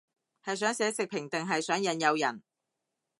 係想寫食評定係想引誘人